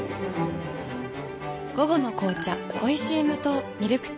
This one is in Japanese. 午後の紅茶おいしい無糖ミルクティー